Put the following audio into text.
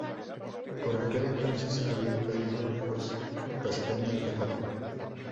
Por aquel entonces había invadido los castaños de Japón.